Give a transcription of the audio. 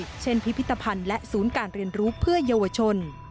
เช่นพิพิธภัณฑ์และศูนย์การเรียนรู้เพื่อเยาวชน